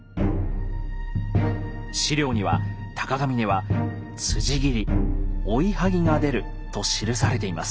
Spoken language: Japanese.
史料には鷹峯は「斬り追い剥ぎが出る」と記されています。